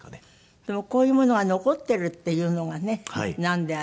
でもこういうものが残っているっていうのがねなんであれ。